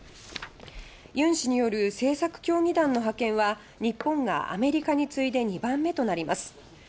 尹氏による政策協議団の派遣は日本が、アメリカに次いで２番目となります。